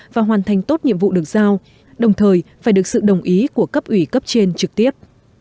và hoàn thành tốt nhiệm vụ được giao đồng thời phải được sự đồng ý của cấp ủy cấp trên trực tiếp